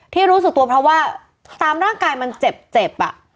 รู้สึกตัวเพราะว่าตามร่างกายมันเจ็บ